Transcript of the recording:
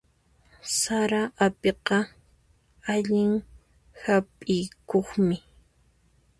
Sara apiqa allin hap'ikuqmi.